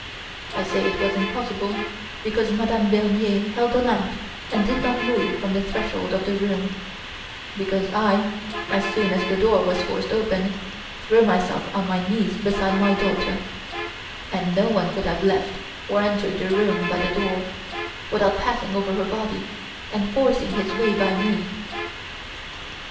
I say it was impossible, because Madame Bernier held the lamp and did not move from the threshold of the room; because I, as soon as the door was forced open, threw myself on my knees beside my daughter, and no one could have left or entered the room by the door, without passing over her body and forcing his way by me!